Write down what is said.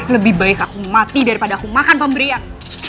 lebih baik aku mati daripada aku makan pemberian